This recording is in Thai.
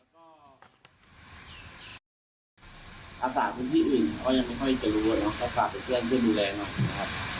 แล้วก็อาศาสตร์พื้นที่อื่นเขายังไม่ค่อยจะรู้นะครับเขาสามารถไปเพื่อนเพื่อนดูแลนะครับ